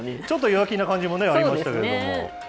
ちょっと弱気な感じもありましたけれども。